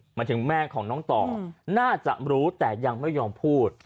หมายถึงแม่ของน้องต่อน่าจะรู้แต่ยังไม่ยอมพูด